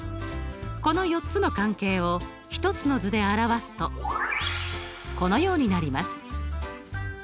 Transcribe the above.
この４つの関係を１つの図で表すとこのようになります。